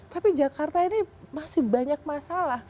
tapi jakarta ini masih banyak masalah